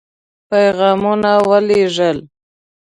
پيغامونه ولېږل.